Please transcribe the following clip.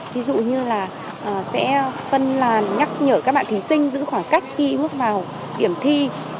ví dụ như là sẽ phân làn nhắc nhở các bạn thí sinh giữ khoảng cách khi bước vào điểm thi